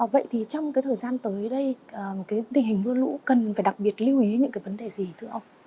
vậy thì trong thời gian tới đây tình hình mưa lũ cần phải đặc biệt lưu ý những vấn đề gì thưa ông